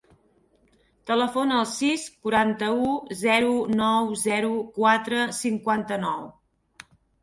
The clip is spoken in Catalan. Telefona al sis, quaranta-u, zero, nou, zero, quatre, cinquanta-nou.